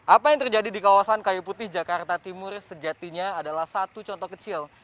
apa yang terjadi di kawasan kayu putih jakarta timur sejatinya adalah satu contoh kecil